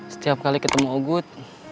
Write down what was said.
setiap kali ketemu oguh